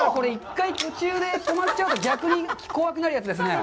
１回、途中で止まっちゃうと逆に怖くなるやつですね？